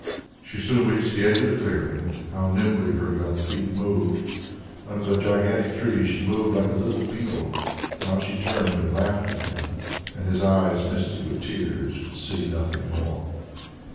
She soon reached the edge of the clearing. How nimbly her young feet moved! Under the gigantic trees she moved like a little beetle. Now she turned and laughed at him, and his eyes, misty with tears, could see nothing more.